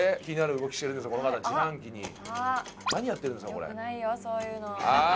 よくないよそういうの。